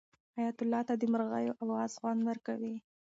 حیات الله ته د مرغیو اواز خوند ورکوي.